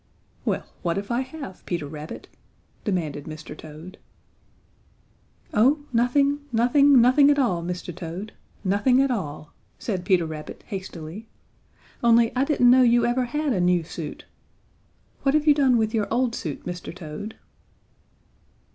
"Well, what if I have, Peter Rabbit?" demanded Mr. Toad. "Oh, nothing, nothing, nothing at all, Mr. Toad, nothing at all," said Peter Rabbit hastily, "only I didn't know you ever had a new suit. What have you done with your old suit, Mr. Toad?"